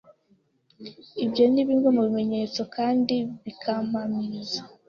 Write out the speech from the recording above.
Ibyo ni bimwe mu binyereka kandi bikampamiriza